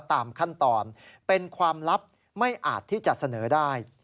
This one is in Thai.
ตามขั้นตอนเป็นความลับไม่อาจที่จะเสนอได้